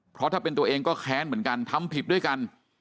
เพราะถ้าเป็นตัวเองก็แค้นเหมือนกันทำผิดด้วยกัน